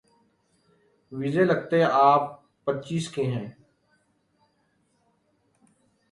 ویسے لگتے آپ پچیس کے ہیں۔